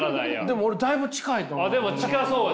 でも俺だいぶ近いと思う。